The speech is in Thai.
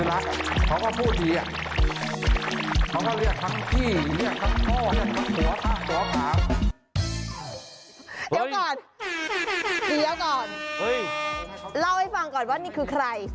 เล่าให้ฟังก่อนว่านี่คือใคร